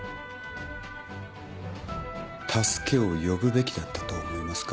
助けを呼ぶべきだったと思いますか。